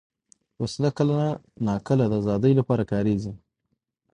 وسله کله ناکله د ازادۍ لپاره کارېږي